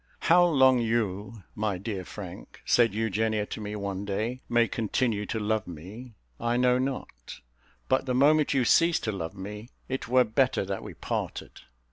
"How long you, my dear Frank," said Eugenia to me one day, "may continue to love me, I know not; but the moment you cease to love me, it were better that we parted."